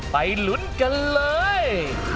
ไปลุ้นกันเลย